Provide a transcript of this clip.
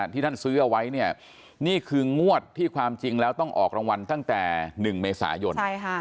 ที่ท่านซื้อเอาไว้เนี่ยนี่คืองวดที่ความจริงแล้วต้องออกรางวัลตั้งแต่๑เมษายน